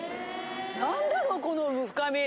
何だろうこの深み。